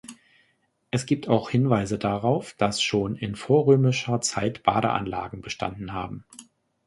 Es gibt auch Hinweise darauf, dass schon in vorrömischer Zeit Badeanlagen bestanden haben.